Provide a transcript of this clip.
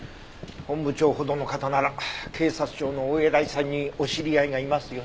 本部長ほどの方なら警察庁のお偉いさんにお知り合いがいますよね？